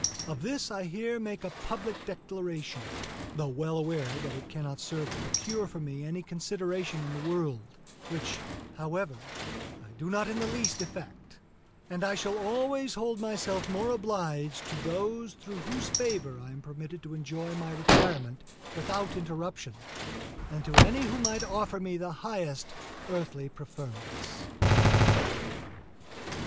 Of this I here make a public declaration, though well aware that it cannot serve to procure for me any consideration in the world, which, however, I do not in the least affect; and I shall always hold myself more obliged to those through whose favor I am permitted to enjoy my retirement without interruption than to any who might offer me the highest earthly preferments.